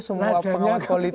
semua pengawal politik